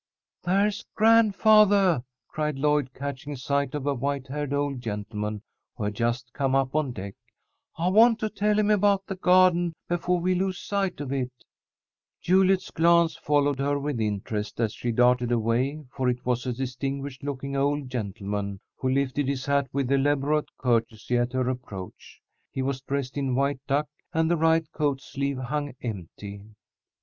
"There's grandfathah!" cried Lloyd, catching sight of a white haired old gentleman who had just come up on deck. "I want to tell him about the garden before we lose sight of it." Juliet's glance followed her with interest as she darted away, for it was a distinguished looking old gentleman who lifted his hat with elaborate courtesy at her approach. He was dressed in white duck, and the right coat sleeve hung empty.